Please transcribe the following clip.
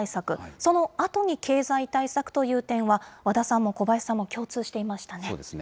そのあとに経済対策という点は、和田さんも小林さんも共通していましたね。